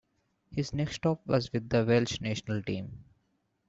His next stop was with the Welsh national team.